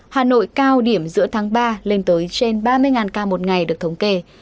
hà nội cao điểm giữa tháng ba lên tới trên ba mươi ca một ngày được thống kê